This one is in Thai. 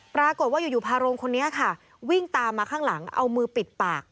ปรากฏว่าอยู่พาโรงคนนี้ค่ะวิ่งตามมาข้างหลังเอามือปิดปาก